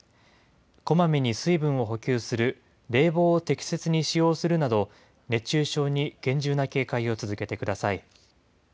こまめに水分を補給する、冷房を適切に使用するなど、熱中症に厳重な警戒を続けてください。